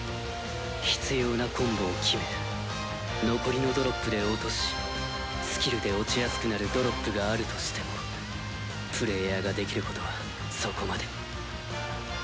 必要なコンボを決め残りのドロップで落としスキルで落ちやすくなるドロップがあるとしてもプレイヤーができることはそこまで。